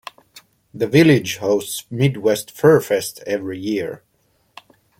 The village hosts Midwest FurFest every year.